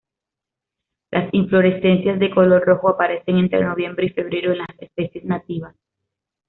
Las inflorescencias de color rojo aparecen entre noviembre y febrero en las especies nativas.